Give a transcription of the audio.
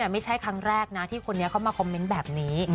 ไม่ใช่ครั้งแรกนะที่คนนี้เข้ามาคอมเมนต์แบบนี้